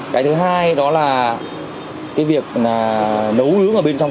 cái thứ hai đó là cái việc nấu ướng ở bên trong